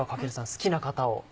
好きな型を。